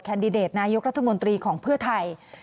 ดิเดตนายกรัฐมนตรีของเพื่อไทย